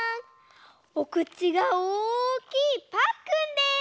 おくちがおおきいパックンです！